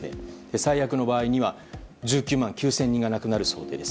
最悪の場合には１９万９０００人が亡くなる想定です。